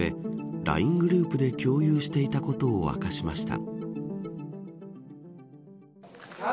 ＬＩＮＥグループで共有していたことを明かしました。